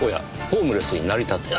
ホームレスになりたて？